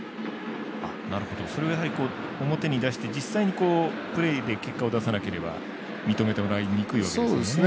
それはやはり表に出して実際にプレーで結果を出さなければ認めてもらいにくいわけですもんね。